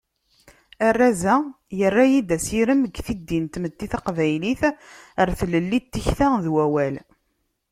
Arraz-a, yerra-yi-d asirem deg tiddin n tmetti taqbaylit ɣer tlelli n tikti d wawal.